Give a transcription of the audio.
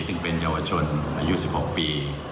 ซึ่งเป็นเยาวชนอายุ๑๖ปี